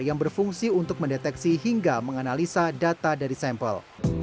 yang berfungsi untuk mendeteksi hingga menganalisa data dari sampel